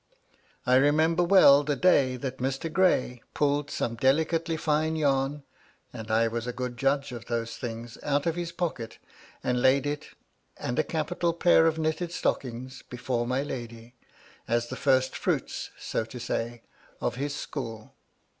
I remember well the day that Mr. Gray pulled some delicately fine yarn (and I was a good judge of those thmgs) out of his pocket, and laid it and a capital pair of knitted stockings before my lady, as the first fruits, so to say, of his school.